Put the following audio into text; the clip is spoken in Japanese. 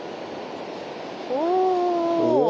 おお。